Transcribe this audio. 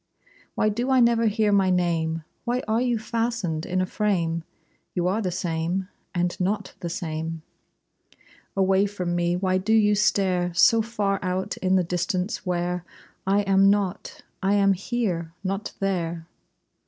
Why do I never hear my name? Why are you fastened in a frame? You are the same, and not the same. Away from me why do you stare So far out in the distance where I am not? I am here! Not there!